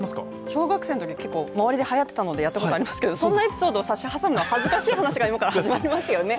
小学生のとき、結構周りではやっていたのでやったことありますけれどもそんなエピソードを差し挟むには恥ずかしい話が今から始まりますよね。